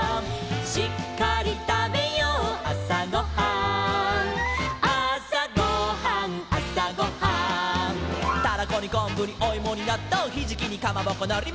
「しっかりたべようあさごはん」「あさごはんあさごはん」「タラコにこんぶにおいもになっとう」「ひじきにかまぼこのりまいて」